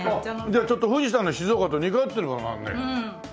じゃあちょっと富士山の静岡と似通ってる部分があるね。